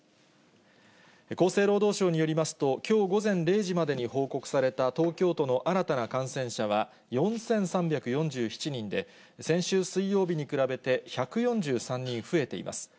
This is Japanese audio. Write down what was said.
厚生労働省によりますと、きょう午前０時までに報告された東京都の新たな感染者は４３４７人で、先週水曜日に比べて１４３人増えています。